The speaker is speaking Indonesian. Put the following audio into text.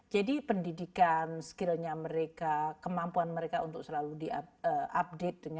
jadi pendidikan skillnya mereka kemampuan mereka untuk selalu di update dengan baik